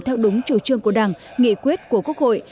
theo đúng chủ trương của đảng nghị quyết của quốc hội